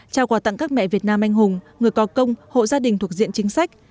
trao quà tặng các mẹ việt nam anh hùng người có công hộ gia đình thuộc diện chính sách